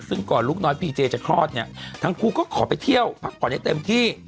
ซึ่งก่อนลูกน้อยพีเจจะคลอดเนี่ยทั้งคู่ก็ขอไปเที่ยวพักผ่อนให้เต็มที่